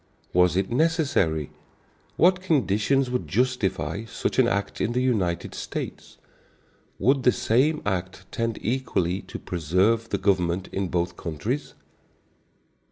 Was it necessary? What conditions would justify such an act in the United States? Would the same act tend equally to preserve the government in both countries?